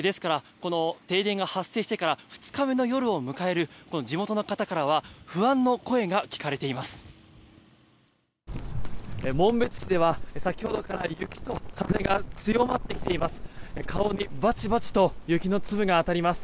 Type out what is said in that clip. この停電が発生してから２日目の夜を迎える地元の方からは不安の声が聞かれています。